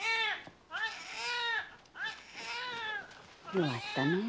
弱ったねえ。